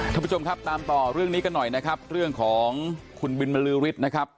ท่านผู้ชมครับตามต่อเรื่องนี้กันหน่อยนะครับเรื่องของคุณบินบรือฤทธิ์นะครับ